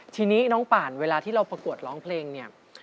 ทีนี้น้องป่านเวลาที่เราประกวดร้องเพลงเนี่ย